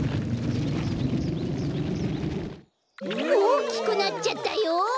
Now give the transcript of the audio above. おおきくなっちゃったよ！